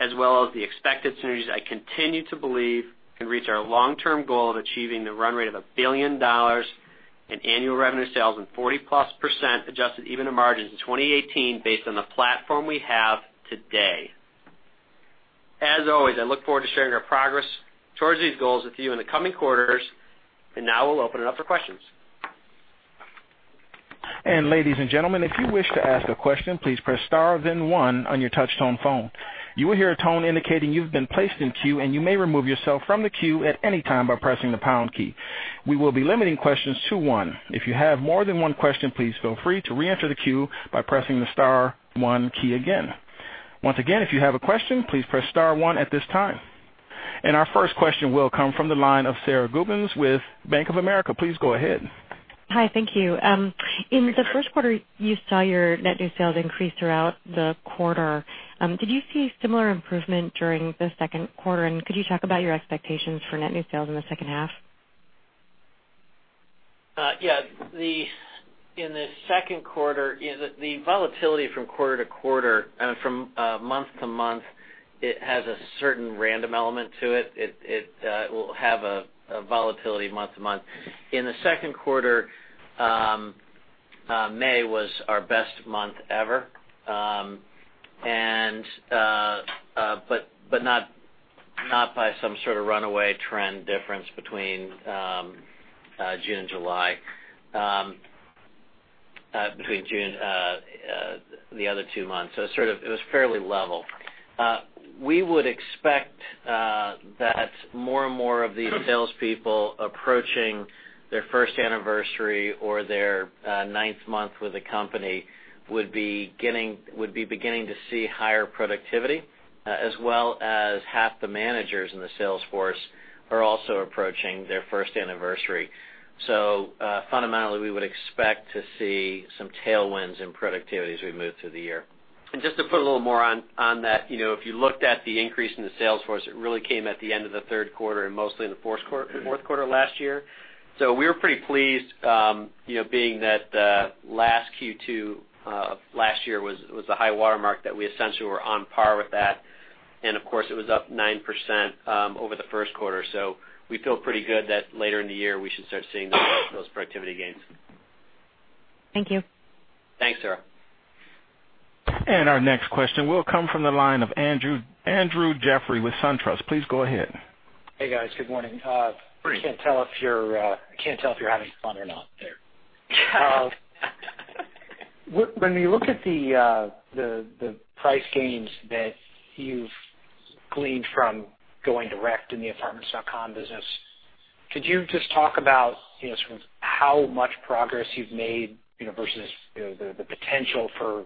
[SPEAKER 4] as well as the expected synergies, I continue to believe we can reach our long-term goal of achieving the run rate of $1 billion in annual revenue sales and 40%+ adjusted EBITDA margins in 2018 based on the platform we have today. As always, I look forward to sharing our progress towards these goals with you in the coming quarters. Now we'll open it up for questions.
[SPEAKER 1] Ladies and gentlemen, if you wish to ask a question, please press star then one on your touch-tone phone. You will hear a tone indicating you've been placed in queue, and you may remove yourself from the queue at any time by pressing the pound key. We will be limiting questions to one. If you have more than one question, please feel free to re-enter the queue by pressing the star one key again. Once again, if you have a question, please press star one at this time. Our first question will come from the line of Sara Gubins with Bank of America. Please go ahead.
[SPEAKER 5] Hi. Thank you. In the first quarter, you saw your net new sales increase throughout the quarter. Did you see similar improvement during the second quarter? Could you talk about your expectations for net new sales in the second half?
[SPEAKER 3] Yeah. In the second quarter, the volatility from quarter to quarter, from month to month, it has a certain random element to it. It will have a volatility month to month. In the second quarter, May was our best month ever, but not by some sort of runaway trend difference between June and July, between June, the other two months. It was fairly level. We would expect that more and more of these salespeople approaching their first anniversary or their ninth month with the company would be beginning to see higher productivity, as well as half the managers in the sales force are also approaching their first anniversary. Fundamentally, we would expect to see some tailwinds in productivity as we move through the year.
[SPEAKER 4] Just to put a little more on that, if you looked at the increase in the sales force, it really came at the end of the third quarter and mostly in the fourth quarter last year. We were pretty pleased, being that last Q2 of last year was the high watermark, that we essentially were on par with that. Of course, it was up 9% over the first quarter. We feel pretty good that later in the year, we should start seeing those productivity gains.
[SPEAKER 5] Thank you.
[SPEAKER 3] Thanks, Sara.
[SPEAKER 1] Our next question will come from the line of Andrew Jeffrey with SunTrust. Please go ahead.
[SPEAKER 6] Hey, guys. Good morning.
[SPEAKER 3] Morning.
[SPEAKER 6] I can't tell if you're having fun or not there. When you look at the price gains that you've gleaned from going direct in the Apartments.com business, could you just talk about how much progress you've made versus the potential for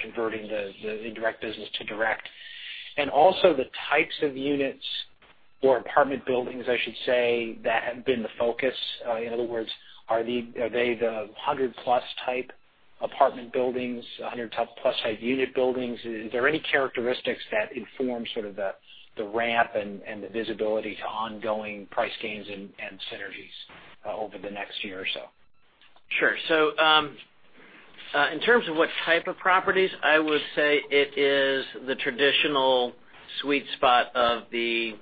[SPEAKER 6] converting the indirect business to direct? Also the types of units, or apartment buildings, I should say, that have been the focus. In other words, are they the 100-plus type apartment buildings, 100-plus type unit buildings? Is there any characteristics that inform sort of the ramp and the visibility to ongoing price gains and synergies over the next year or so?
[SPEAKER 3] Sure. In terms of what type of properties, I would say it is the traditional sweet spot of the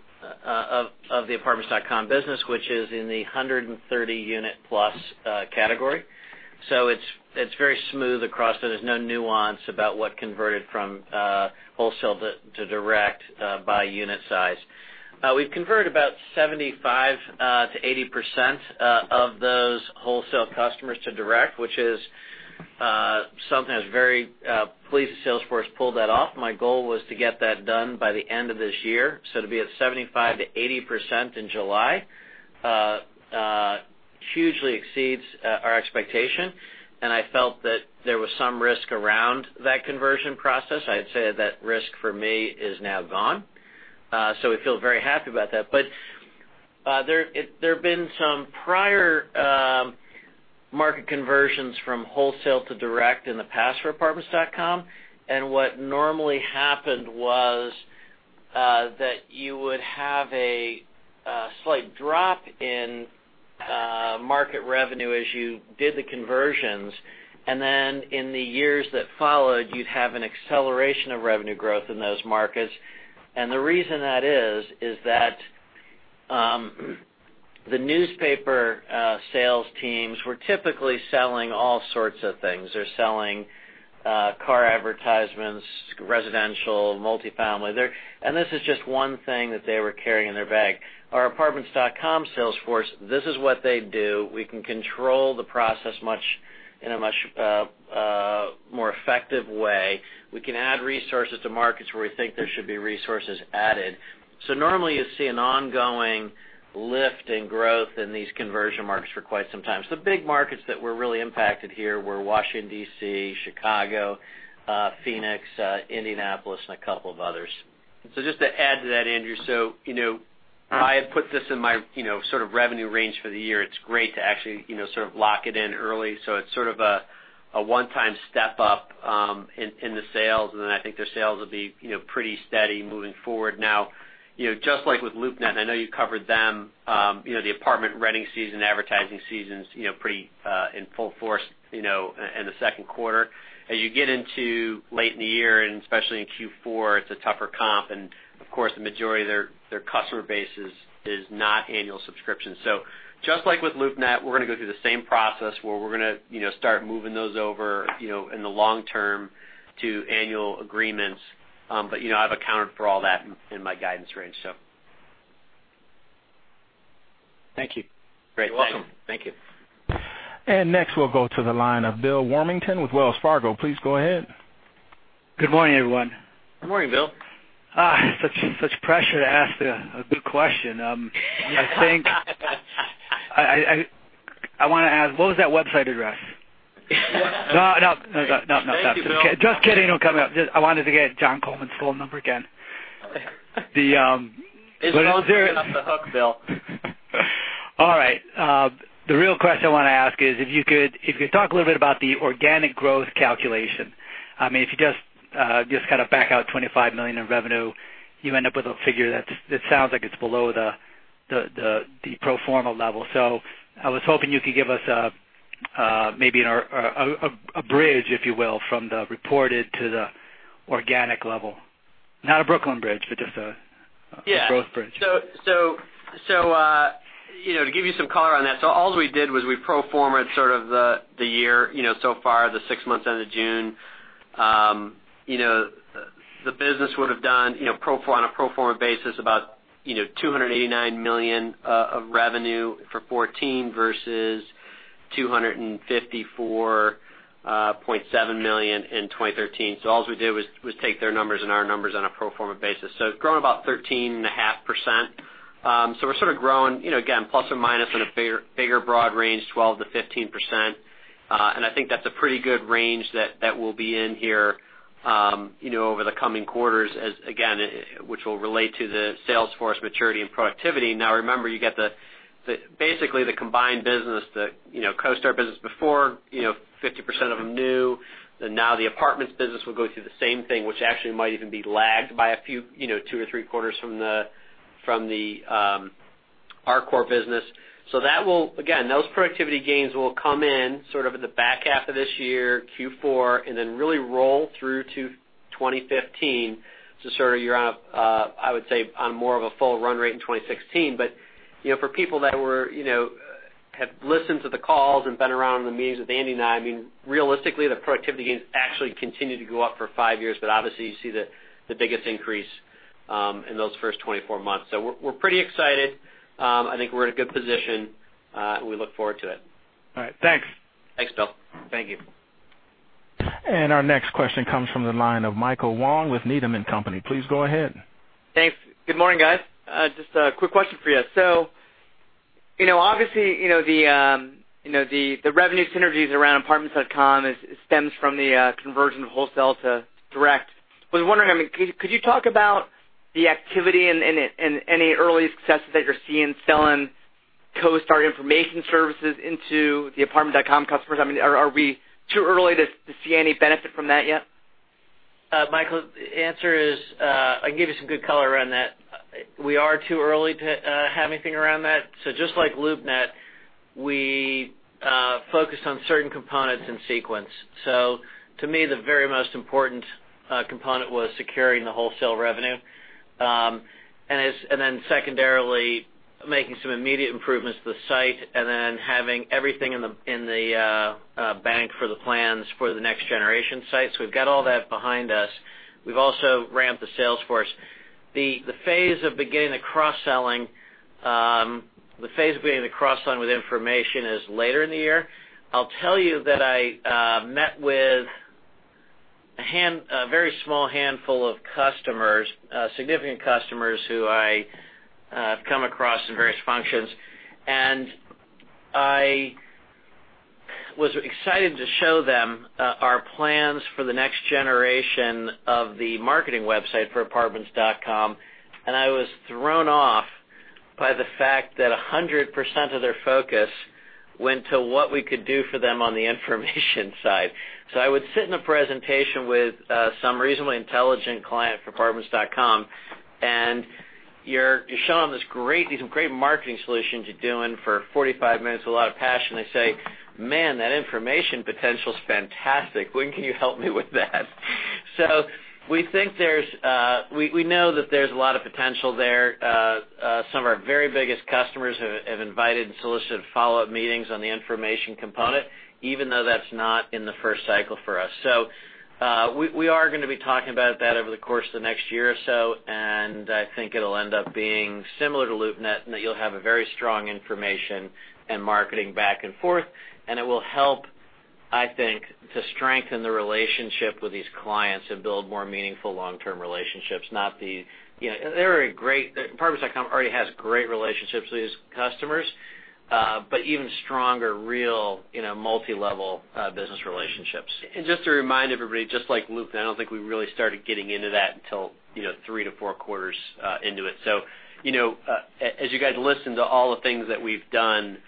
[SPEAKER 3] Apartments.com business, which is in the 130-unit plus category. It's very smooth across, so there's no nuance about what converted from wholesale to direct by unit size. We've converted about 75%-80% of those wholesale customers to direct, which is something I was very pleased the sales force pulled that off. My goal was to get that done by the end of this year. To be at 75%-80% in July hugely exceeds our expectation, and I felt that there was some risk around that conversion process. I'd say that risk for me is now gone. We feel very happy about that. There have been some prior market conversions from wholesale to direct in the past for Apartments.com, and what normally happened was that you would have a slight drop in market revenue as you did the conversions. Then in the years that followed, you'd have an acceleration of revenue growth in those markets. The reason that is that the newspaper sales teams were typically selling all sorts of things. They're selling car advertisements, residential, multifamily. This is just one thing that they were carrying in their bag. Our Apartments.com sales force, this is what they do. We can control the process in a much more effective way. We can add resources to markets where we think there should be resources added. Normally, you see an ongoing lift in growth in these conversion markets for quite some time. The big markets that were really impacted here were Washington, D.C., Chicago, Phoenix, Indianapolis, and a couple of others.
[SPEAKER 4] Just to add to that, Andrew, I had put this in my sort of revenue range for the year. It's great to actually sort of lock it in early. It's sort of a one-time step-up in the sales. Then I think their sales will be pretty steady moving forward. Now, just like with LoopNet, I know you covered them. The apartment renting season, advertising season's pretty in full force in the second quarter. As you get into late in the year, and especially in Q4, it's a tougher comp. Of course, the majority of their customer base is not annual subscription. Just like with LoopNet, we're going to go through the same process where we're going to start moving those over in the long term to annual agreements, but I've accounted for all that in my guidance range.
[SPEAKER 6] Thank you.
[SPEAKER 4] Great.
[SPEAKER 3] You're welcome. Thank you.
[SPEAKER 1] Next, we'll go to the line of Bill Warmington with Wells Fargo. Please go ahead.
[SPEAKER 7] Good morning, everyone.
[SPEAKER 3] Good morning, Bill.
[SPEAKER 4] Such pressure to ask a good question. I think I want to ask, what was that website address? No, not that. Thank you, Bill. Just kidding. No, come on. I wanted to get John Coleman's phone number again. His phone's ringing off the hook, Bill. All right. The real question I want to ask is, if you could talk a little bit about the organic growth calculation. If you just back out $25 million in revenue, you end up with a figure that sounds like it's below the pro forma level. I was hoping you could give us maybe a bridge, if you will, from the reported to the organic level. Not a Brooklyn Bridge, but just a growth bridge. To give you some color on that. All we did was we pro forma-ed sort of the year, so far, the six months end of June. The business would've done, on a pro forma basis, about $289 million of revenue for 2014 versus $254.7 million in 2013. All we did was take their numbers and our numbers on a pro forma basis. It's grown about 13.5%. We're sort of growing, again, plus or minus in a bigger, broad range, 12%-15%. I think that's a pretty good range that we'll be in here over the coming quarters, again, which will relate to the sales force maturity and productivity. Now, remember, you get basically the combined business, the CoStar business before, 50% of them new. Now the apartments business will go through the same thing, which actually might even be lagged by two or three quarters from our core business. That will, again, those productivity gains will come in sort of in the back half of this year, Q4, and then really roll through to 2015 to sort of, I would say, on more of a full run rate in 2016. For people that have listened to the calls and been around in the meetings with Andy and I, realistically, the productivity gains actually continue to go up for five years, but obviously, you see the biggest increase in those first 24 months. We're pretty excited. I think we're in a good position. We look forward to it. All right. Thanks. Thanks, Bill. Thank you.
[SPEAKER 1] Our next question comes from the line of Michael Huang with Needham & Company. Please go ahead.
[SPEAKER 8] Thanks. Good morning, guys. Just a quick question for you. Obviously, the revenue synergies around Apartments.com stems from the conversion of wholesale to direct. I was wondering, could you talk about the activity and any early successes that you're seeing selling CoStar information services into the Apartments.com customers? Are we too early to see any benefit from that yet?
[SPEAKER 3] Michael, the answer is, I can give you some good color around that. We are too early to have anything around that. Just like LoopNet, we focused on certain components in sequence. To me, the very most important component was securing the wholesale revenue. Then secondarily, making some immediate improvements to the site, and then having everything in the bank for the plans for the next generation site. We've got all that behind us. We've also ramped the sales force. The phase of beginning the cross-selling with information is later in the year. I'll tell you that I met with a very small handful of significant customers who I have come across in various functions, and I was excited to show them our plans for the next generation of the marketing website for Apartments.com, and I was thrown off by the fact that 100% of their focus went to what we could do for them on the information side. I would sit in a presentation with some reasonably intelligent client for Apartments.com, and you're showing them these great marketing solutions you're doing for 45 minutes with a lot of passion. They say, "Man, that information potential's fantastic. When can you help me with that?" We know that there's a lot of potential there. Some of our very biggest customers have invited and solicited follow-up meetings on the information component, even though that's not in the first cycle for us. We are going to be talking about that over the course of the next year or so, and I think it'll end up being similar to LoopNet, in that you'll have a very strong information and marketing back and forth, and it will help, I think, to strengthen the relationship with these clients and build more meaningful long-term relationships. Apartments.com already has great relationships with these customers, but even stronger, real multilevel business relationships. Just to remind everybody, just like LoopNet, I don't think we really started getting into that until three to four quarters into it. As you guys listen to all the things that we've done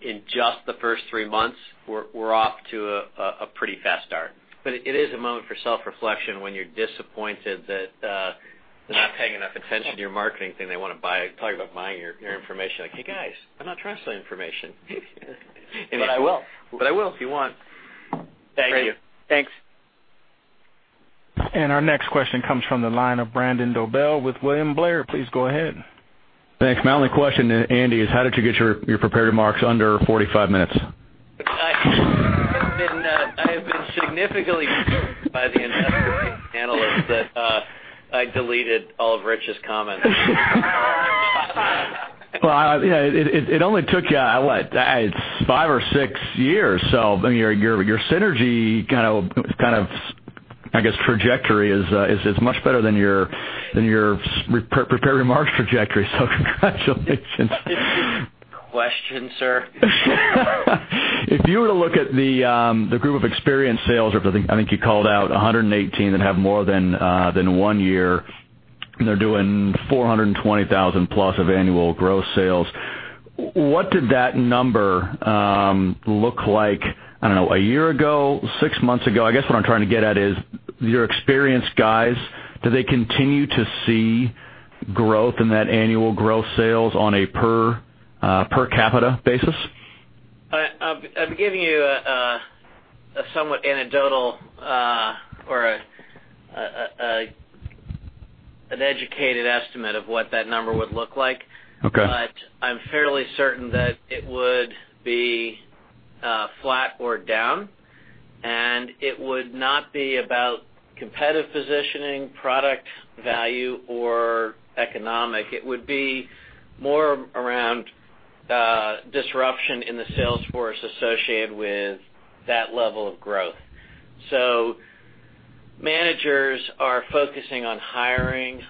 [SPEAKER 3] in just the first three months, we're off to a pretty fast start. It is a moment for self-reflection when you're disappointed that they're not paying enough attention to your marketing thing. They want to talk about buying your information. Like, "Hey, guys, I'm not trying to sell information." I will. I will, if you want.
[SPEAKER 8] Thank you.
[SPEAKER 3] Thanks.
[SPEAKER 1] Our next question comes from the line of Brandon Dobell with William Blair. Please go ahead.
[SPEAKER 9] Thanks. My only question, Andy, is how did you get your prepared remarks under 45 minutes?
[SPEAKER 3] I have been significantly encouraged by the investment analysts that I deleted all of Rich's comments.
[SPEAKER 9] Well, it only took you, what? It's five or six years. Your synergy kind of trajectory is much better than your prepared remarks trajectory, so congratulations.
[SPEAKER 3] Is this a question, sir?
[SPEAKER 9] If you were to look at the group of experienced sales reps, I think you called out 118 that have more than one year, and they're doing $420,000-plus of annual gross sales. What did that number look like, I don't know, a year ago, six months ago? I guess what I'm trying to get at is your experienced guys, do they continue to see growth in that annual growth sales on a per capita basis?
[SPEAKER 3] I'll give you a somewhat anecdotal or an educated estimate of what that number would look like.
[SPEAKER 9] Okay.
[SPEAKER 3] I'm fairly certain that it would be flat or down, and it would not be about competitive positioning, product value, or economic. It would be more around disruption in the sales force associated with that level of growth. Managers are focusing on hiring,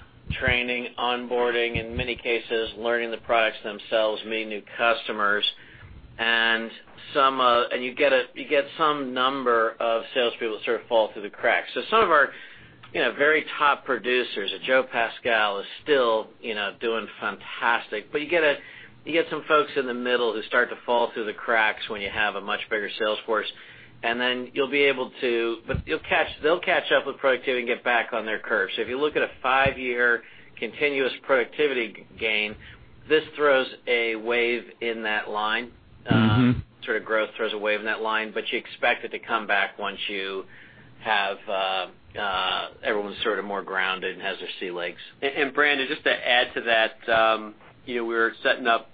[SPEAKER 3] training, onboarding, in many cases learning the products themselves, meeting new customers, and you get some number of salespeople that sort of fall through the cracks. Some of our very top producers, a Joe Pascal is still doing fantastic, but you get some folks in the middle who start to fall through the cracks when you have a much bigger sales force. They'll catch up with productivity and get back on their curve. If you look at a five-year continuous productivity gain, this throws a wave in that line. Sort of growth throws a wave in that line, but you expect it to come back once everyone's sort of more grounded and has their sea legs.
[SPEAKER 4] Brandon, just to add to that, we were setting up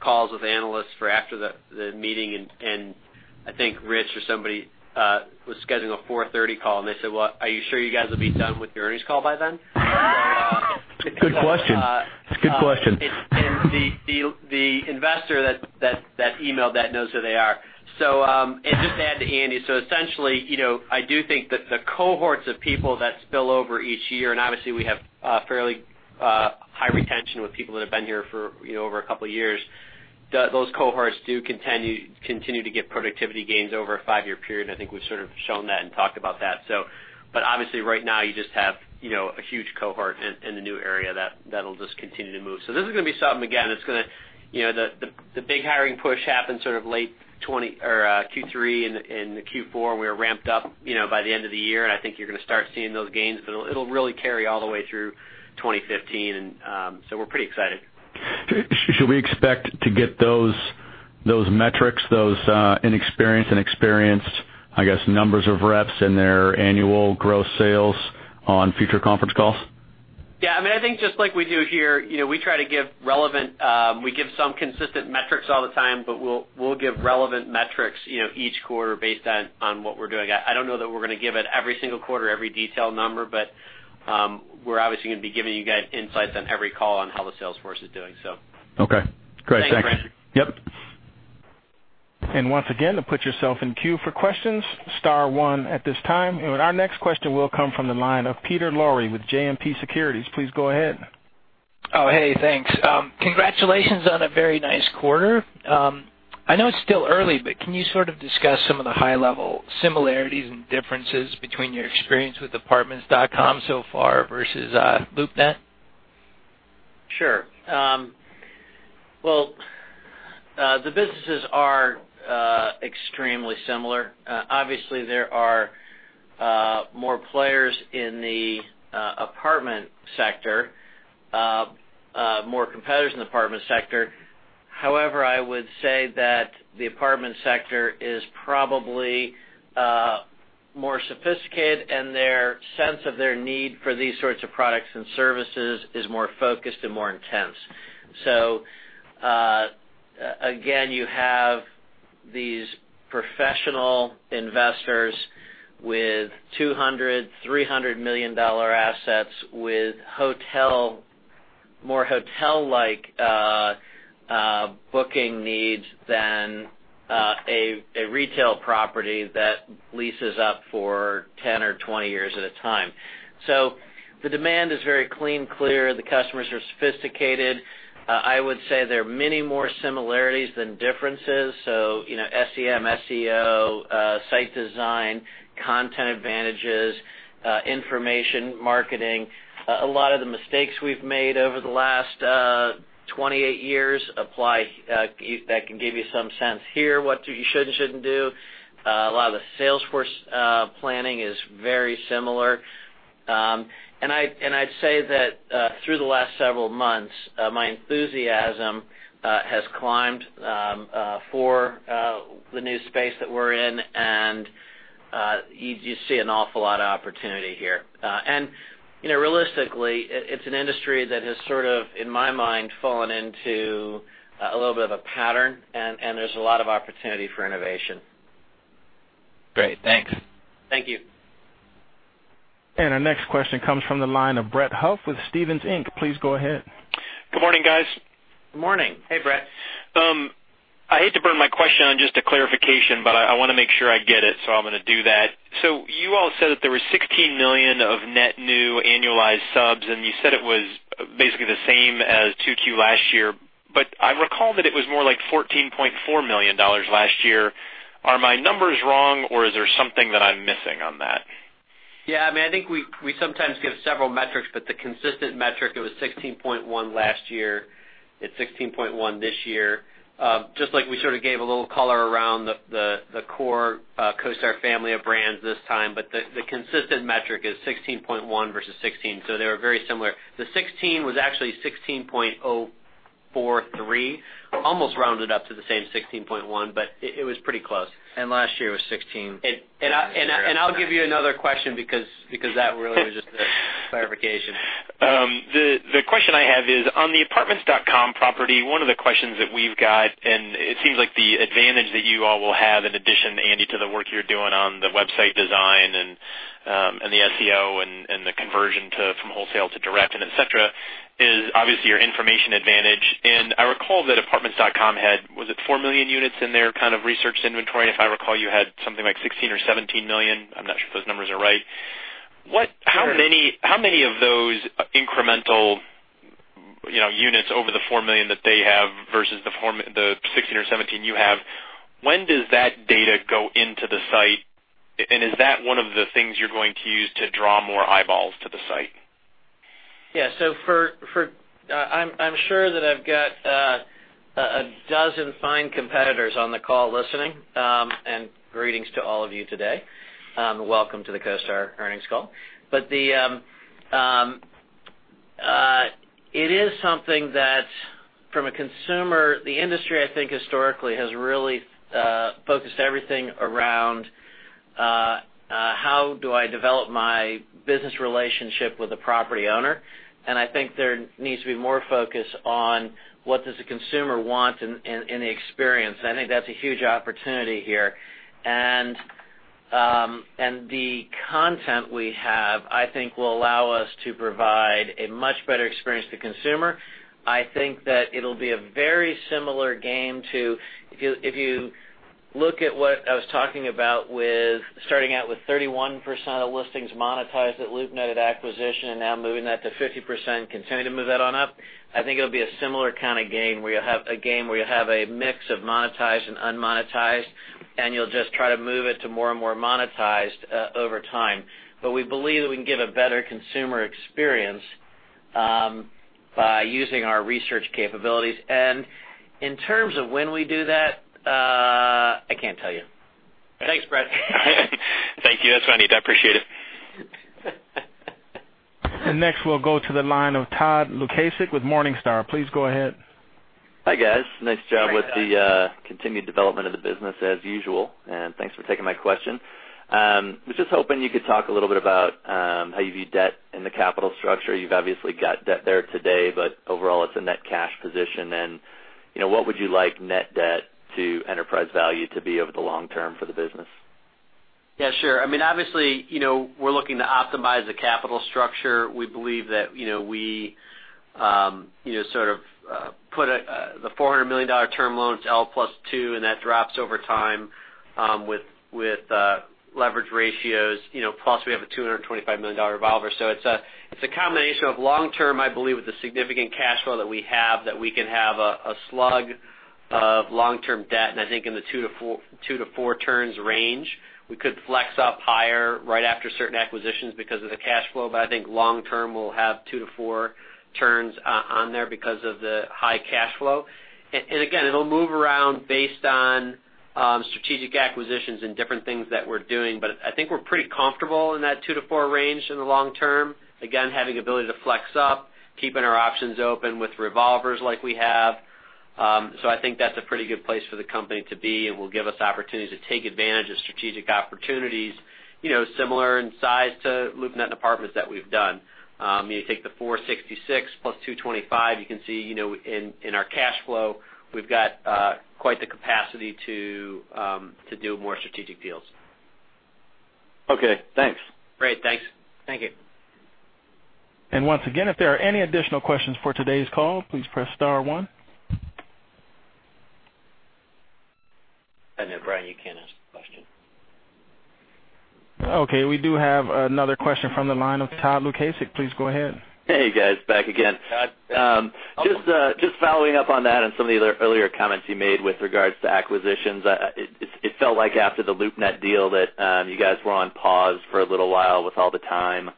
[SPEAKER 4] calls with analysts for after the meeting, and I think Rich or somebody was scheduling a 4:30 P.M. call, and they said, "Well, are you sure you guys will be done with your earnings call by then?
[SPEAKER 9] It's a good question.
[SPEAKER 4] The investor that emailed that knows who they are. Just to add to Andy, essentially, I do think that the cohorts of people that spill over each year, and obviously we have fairly high retention with people that have been here for over a couple of years, those cohorts do continue to get productivity gains over a five-year period. I think we've sort of shown that and talked about that. Obviously, right now, you just have a huge cohort in the new area that'll just continue to move. This is going to be something, again, the big hiring push happened sort of late Q3 into Q4, and we were ramped up by the end of the year, and I think you're going to start seeing those gains, but it'll really carry all the way through 2015. We're pretty excited.
[SPEAKER 9] Should we expect to get those metrics, those inexperienced and experienced, I guess, numbers of reps and their annual growth sales on future conference calls?
[SPEAKER 4] Yeah, I think just like we do here, we try to give We give some consistent metrics all the time, but we'll give relevant metrics each quarter based on what we're doing. I don't know that we're going to give it every single quarter, every detailed number, but we're obviously going to be giving you guys insights on every call on how the sales force is doing, so.
[SPEAKER 9] Okay. Great. Thanks.
[SPEAKER 4] Thanks, Brandon.
[SPEAKER 9] Yep.
[SPEAKER 1] To put yourself in queue for questions, star 1 at this time. Our next question will come from the line of Peter Lowry with JMP Securities. Please go ahead.
[SPEAKER 10] Oh, hey, thanks. Congratulations on a very nice quarter. I know it's still early, but can you sort of discuss some of the high-level similarities and differences between your experience with Apartments.com so far versus LoopNet?
[SPEAKER 3] Sure. Well, the businesses are extremely similar. Obviously, there are more players in the apartment sector, more competitors in the apartment sector. However, I would say that the apartment sector is probably more sophisticated, and their sense of their need for these sorts of products and services is more focused and more intense. Again, you have these professional investors with $200 million, $300 million assets with more hotel-like booking needs than a retail property that leases up for 10 or 20 years at a time. The demand is very clean, clear. The customers are sophisticated. I would say there are many more similarities than differences. SEM, SEO, site design, content advantages, information marketing. A lot of the mistakes we've made over the last 28 years apply. That can give you some sense here what you should and shouldn't do. A lot of the sales force planning is very similar. I'd say that through the last several months, my enthusiasm has climbed for the new space that we're in, and you see an awful lot of opportunity here. Realistically, it's an industry that has sort of, in my mind, fallen into a little bit of a pattern, and there's a lot of opportunity for innovation.
[SPEAKER 10] Great. Thanks.
[SPEAKER 3] Thank you.
[SPEAKER 1] Our next question comes from the line of Brett Huff with Stephens Inc. Please go ahead.
[SPEAKER 11] Good morning, guys.
[SPEAKER 3] Good morning. Hey, Brett.
[SPEAKER 11] I hate to burn my question on just a clarification, but I want to make sure I get it, so I'm going to do that. You all said that there were 16 million of net new annualized subs, and you said it was basically the same as 2Q last year. I recall that it was more like $14.4 million last year. Are my numbers wrong, or is there something that I'm missing on that?
[SPEAKER 3] Yeah. I think we sometimes give several metrics, but the consistent metric, it was 16.1 last year, it's 16.1 this year. Just like we sort of gave a little color around the core CoStar family of brands this time. The consistent metric is 16.1 versus 16, so they were very similar. The 16 was actually 16.043, almost rounded up to the same 16.1, but it was pretty close. Last year was 16. I'll give you another question because that really was just a clarification.
[SPEAKER 11] The question I have is on the Apartments.com property, one of the questions that we've got, and it seems like the advantage that you all will have, in addition, Andy, to the work you're doing on the website design and the SEO and the conversion from wholesale to direct and et cetera, is obviously your information advantage. I recall that Apartments.com had, was it 4 million units in their research inventory? If I recall, you had something like 16 or 17 million. I'm not sure if those numbers are right. How many of those incremental units over the 4 million that they have versus the 16 or 17 you have, when does that data go into the site? Is that one of the things you're going to use to draw more eyeballs to the site?
[SPEAKER 3] Yeah. I'm sure that I've got a dozen fine competitors on the call listening, and greetings to all of you today. Welcome to the CoStar earnings call. It is something that from a consumer. The industry, I think, historically has really focused everything around how do I develop my business relationship with a property owner, and I think there needs to be more focus on what does the consumer want in the experience. I think that's a huge opportunity here. The content we have, I think will allow us to provide a much better experience to consumer. I think that it'll be a very similar game to, if you look at what I was talking about with starting out with 31% of listings monetized at LoopNet at acquisition, and now moving that to 50%, continuing to move that on up. I think it'll be a similar kind of game where you'll have a mix of monetized and unmonetized, and you'll just try to move it to more and more monetized over time. We believe that we can give a better consumer experience by using our research capabilities. In terms of when we do that, I can't tell you. Thanks, Brett.
[SPEAKER 11] Thank you. That's what I need. I appreciate it.
[SPEAKER 1] Next, we'll go to the line of Todd Lukasik with Morningstar. Please go ahead.
[SPEAKER 12] Hi, guys. Nice job with the continued development of the business as usual, and thanks for taking my question. I was just hoping you could talk a little bit about how you view debt in the capital structure. You've obviously got debt there today, but overall it's a net cash position. What would you like net debt to enterprise value to be over the long term for the business?
[SPEAKER 4] Yeah, sure. Obviously, we're looking to optimize the capital structure. We believe that we put the $400 million term loans L plus 2, and that drops over time with leverage ratios. Plus, we have a $225 million revolver. It's a combination of long-term, I believe, with the significant cash flow that we have that we can have a slug of long-term debt, I think in the 2 to 4 turns range. We could flex up higher right after certain acquisitions because of the cash flow. I think long-term, we'll have 2 to 4 turns on there because of the high cash flow. Again, it'll move around based on strategic acquisitions and different things that we're doing. I think we're pretty comfortable in that 2 to 4 range in the long term. Again, having ability to flex up, keeping our options open with revolvers like we have. I think that's a pretty good place for the company to be, and will give us opportunities to take advantage of strategic opportunities similar in size to LoopNet and Apartments that we've done. You take the $466 plus $225, you can see in our cash flow, we've got quite the capacity to do more strategic deals.
[SPEAKER 12] Okay, thanks.
[SPEAKER 4] Great. Thanks. Thank you.
[SPEAKER 1] Once again, if there are any additional questions for today's call, please press star one.
[SPEAKER 3] Brian, you can ask the question.
[SPEAKER 1] Okay, we do have another question from the line of Todd Lukasik. Please go ahead.
[SPEAKER 12] Hey, you guys. Back again.
[SPEAKER 3] Todd.
[SPEAKER 12] Just following up on that and some of the earlier comments you made with regards to acquisitions. It felt like after the LoopNet deal that you guys were on pause for a little while with all the time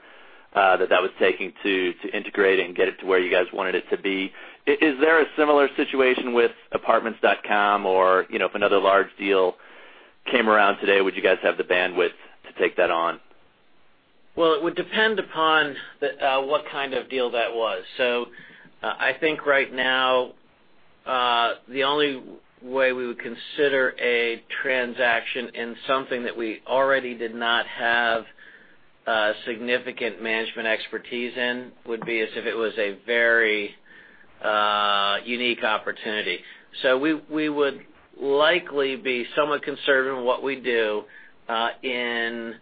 [SPEAKER 12] that that was taking to integrate and get it to where you guys wanted it to be. Is there a similar situation with Apartments.com? If another large deal came around today, would you guys have the bandwidth to take that on?
[SPEAKER 3] Well, it would depend upon what kind of deal that was. I think right now, the only way we would consider a transaction in something that we already did not have significant management expertise in would be as if it was a very unique opportunity. We would likely be somewhat conservative in what we do in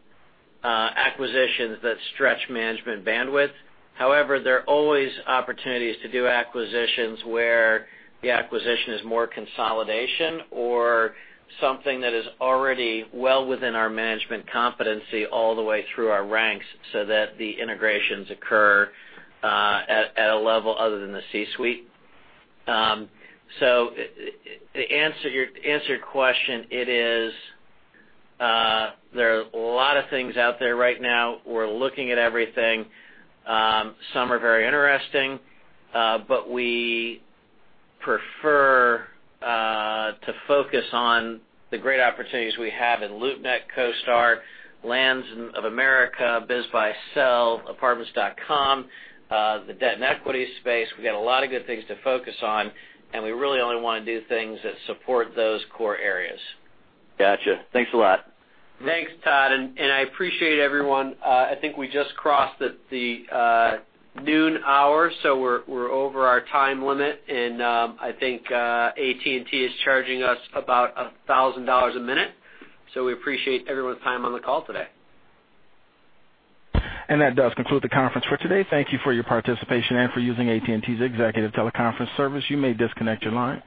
[SPEAKER 3] acquisitions that stretch management bandwidth. However, there are always opportunities to do acquisitions where the acquisition is more consolidation or something that is already well within our management competency all the way through our ranks, so that the integrations occur at a level other than the C-suite. To answer your question, there are a lot of things out there right now. We're looking at everything. Some are very interesting, We prefer to focus on the great opportunities we have in LoopNet, CoStar, Lands of America, BizBuySell, Apartments.com, the debt and equity space. We got a lot of good things to focus on, and we really only want to do things that support those core areas.
[SPEAKER 12] Got you. Thanks a lot.
[SPEAKER 3] Thanks, Todd. I appreciate everyone. I think we just crossed the noon hour, so we're over our time limit, and I think AT&T is charging us about $1,000 a minute. We appreciate everyone's time on the call today.
[SPEAKER 1] That does conclude the conference for today. Thank you for your participation and for using AT&T's executive teleconference service. You may disconnect your line.